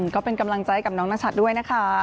ก็เป็นกำลังใจกับน้องนชัดด้วยนะคะ